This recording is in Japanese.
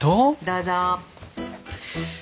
どうぞ。